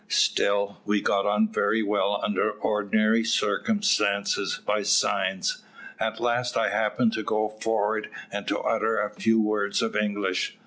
Still, we got on very well under ordinary circumstances by signs. At last I happened to go forward and to utter a few words of English.